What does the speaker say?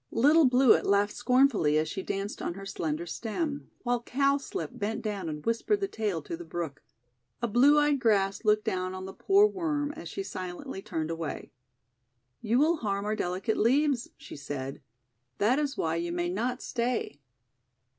Little Bluet laughed scornfully as she danced on her slender stem; while Cowslip bent down and whispered the tale to the brook. A Blue Eyed Grass looked down on the poor Worm as She silently turned away. 'You will harm our delicate leaves," she said; 'that is why you may not stay."